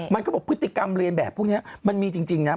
มันก็บอกพฤติกรรมเรียนแบบพวกนี้มันมีจริงนะ